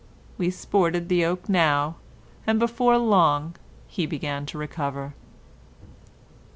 We sported the oak now, and before long he began to recover.